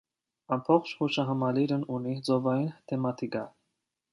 Ամբողջ հուշահամալիրն ունի ծովային թեմատիկա։